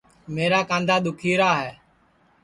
میرا کاںٚدھا دُؔکھی را ہے